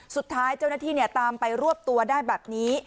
สุดท้ายเจ้าหน้าที่ตามไปรวบตัวได้แบบนี้